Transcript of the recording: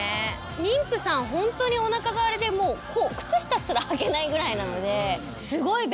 妊婦さんホントにお腹があれでもう靴下すらはけないぐらいなので。